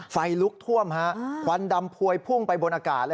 ไฟลุกท่วมฮะควันดำพวยพุ่งไปบนอากาศ